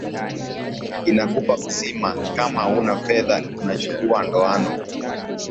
Inakupa uzima Kama huna fedha unachukua ndoano